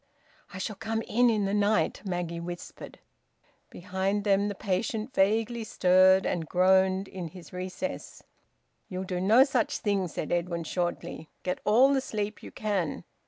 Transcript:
"I shall come in in the night," Maggie whispered. Behind them the patient vaguely stirred and groaned in his recess. "You'll do no such thing," said Edwin shortly. "Get all the sleep you can."